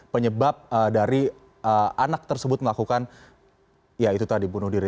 penyebab dari anak tersebut melakukan ya itu tadi bunuh diri